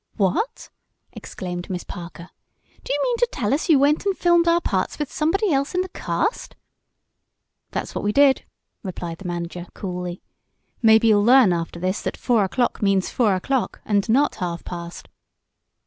"What!" exclaimed Miss Parker. "Do you mean to tell us you went and filmed our parts with somebody else in the cast?" "That's what we did," replied the manager, coolly. "Maybe you'll learn after this that four o'clock means four o'clock, and not half past."